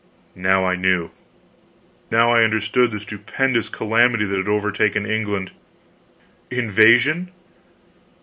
Now I knew! Now I understood the stupendous calamity that had overtaken England. Invasion?